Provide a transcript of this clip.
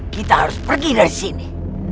kita harus pergi dari sini